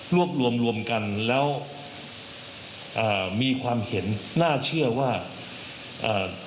รวบรวมรวมรวมกันแล้วอ่ามีความเห็นน่าเชื่อว่าเอ่อ